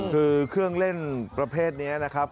คือเครื่องเล่นประเภทนี้นะครับ